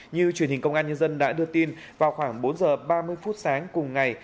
như truyền hình công an nhân dân đã đưa tin vào khoảng bốn giờ ba mươi phút sáng cùng ngày